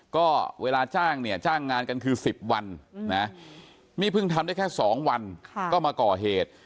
ก็เวลาจ้างเนี่ยจ้างงานกันคือ๑๐วันนะนี่เพิ่งทำได้แค่๒วันก็มาก่อเหตุ